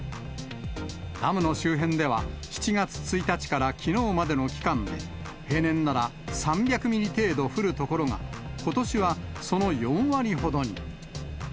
ダムの周辺では、７月１日からきのうまでの期間で、平年なら３００ミリ程度降るところが、ことしはその４割ほどに。